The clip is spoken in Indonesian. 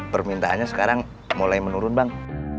permintaannya sekarang mulai menurun bang